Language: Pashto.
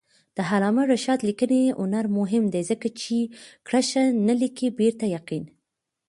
د علامه رشاد لیکنی هنر مهم دی ځکه چې کرښه نه لیکي پرته یقین.